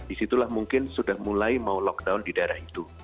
disitulah mungkin sudah mulai mau lockdown di daerah itu